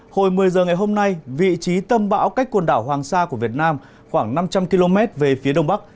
hồi một mươi giờ ngày hôm nay vị trí tâm bão cách quần đảo hoàng sa của việt nam khoảng năm trăm linh km về phía đông bắc